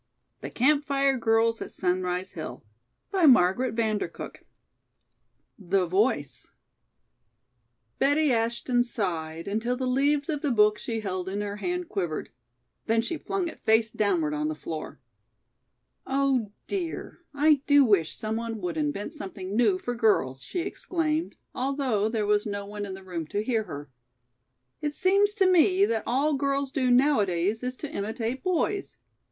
THE DISAPPEARANCE XX. "POLLY" XXI. THE END OF THE SUMMER CAMP CHAPTER I THE VOICE Betty Ashton sighed until the leaves of the book she held in her hand quivered, then she flung it face downward on the floor. "Oh dear, I do wish some one would invent something new for girls!" she exclaimed, although there was no one in the room to hear her. "It seems to me that all girls do nowadays is to imitate boys.